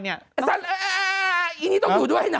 เอ่ออีกนึด้วยนะ